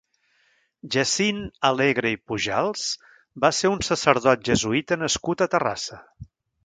Jacint Alegre i Pujals va ser un sacerdot jesuïta nascut a Terrassa.